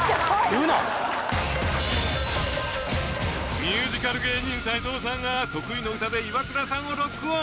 ミュージカル芸人斎藤さんが得意の歌でイワクラさんをロックオン。